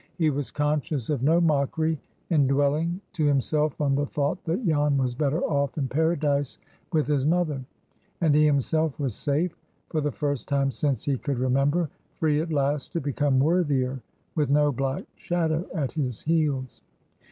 He was conscious of no mockery in dwelling to himself on the thought that Jan was "better off" in Paradise with his mother. And he himself was safe—for the first time since he could remember,—free at last to become worthier, with no black shadow at his heels.